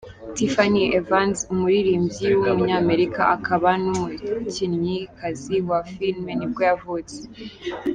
Tiffany Evans, umuririmbyikazi w’umunyamerika akaba n’umukinnyikazi wa film nibwo yavutse.